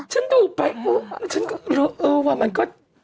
ฉันดูไปอู้วฉันก็เออใช่ว่ามันก็